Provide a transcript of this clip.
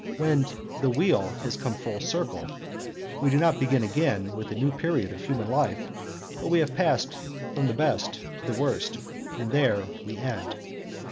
When 'the wheel has come full circle' we do not begin again with a new period of human life; but we have passed from the best to the worst, and there we end.